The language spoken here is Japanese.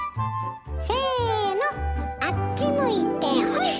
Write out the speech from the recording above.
せのあっち向いてホイ！